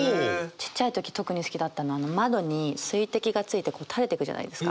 ちっちゃい時特に好きだったのは窓に水滴がついてこうたれてくじゃないですか。